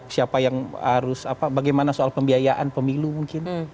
siapa yang harus bagaimana soal pembiayaan pemilu mungkin